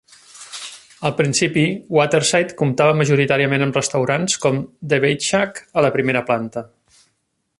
Al principi, Waterside comptava majoritàriament amb restaurants com The Baitshack a la primera planta.